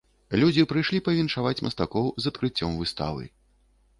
Людзі прыйшлі павіншаваць мастакоў з адкрыццём выставы.